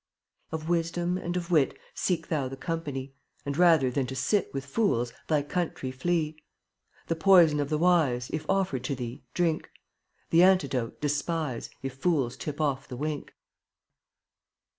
22 Of Wisdom and of Wit Seek thou the company, And rather than to sit With fools, thy country flee. The poison of the wise, If offered to thee, drink; The antidote despise If fools tip off the wink.